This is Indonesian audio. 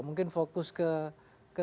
mungkin fokus ke